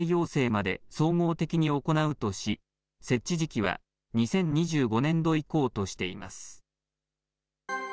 研究から医療・人材養成まで総合的に行うとし、設置時期は２０２５年度以降としています。